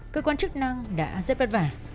cơ quan chức năng đã rất vất vả